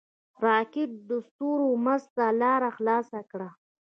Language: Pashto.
راکټ د ستورو منځ ته لاره خلاصه کړه